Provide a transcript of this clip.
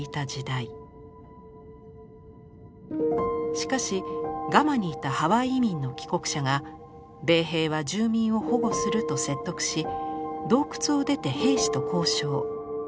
しかしガマにいたハワイ移民の帰国者が「米兵は住民を保護する」と説得し洞窟を出て兵士と交渉。